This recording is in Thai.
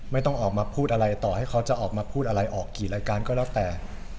ไม่ต้องออกมาพูดอะไรต่อให้เขาจะออกมาพูดอะไรออกกี่รายการก็แล้วแต่